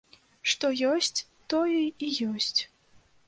Што ёсць, тое і ёсць.